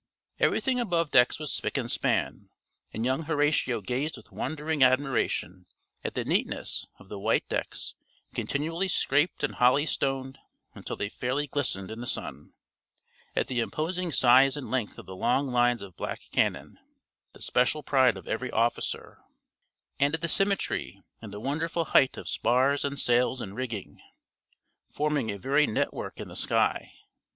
Everything above decks was spick and span, and young Horatio gazed with wondering admiration at the neatness of the white decks continually scraped and holystoned until they fairly glistened in the sun, at the imposing size and length of the long lines of black cannon, the special pride of every officer, and at the symmetry and the wonderful height of spars and sails and rigging, forming a very network in the sky.